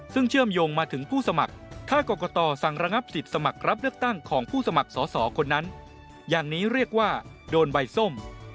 ซึ่งเชื่อมโยงมาถึงผู้สมัครถ้ากรกตสั่งระงับสิทธิ์สมัครรับเลือกตั้งของผู้สมัครสอสอคนนั้นอย่างนี้เรียกว่าโดนใบส้ม